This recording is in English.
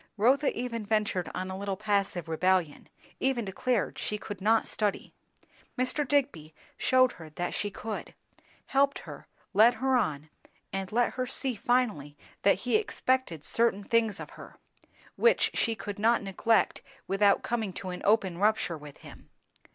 Rotha even ventured on a little passive rebellion; even declared she could not study. Mr. Digby shewed her that she could; helped her, led her on, and let her see finally that he expected certain things of her, which she could not neglect without coming to an open rupture with him.